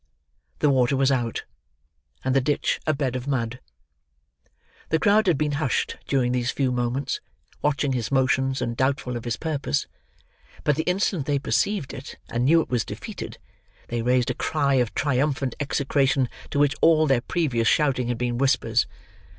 The water was out, and the ditch a bed of mud. The crowd had been hushed during these few moments, watching his motions and doubtful of his purpose, but the instant they perceived it and knew it was defeated, they raised a cry of triumphant execration to which all their previous shouting had been whispers.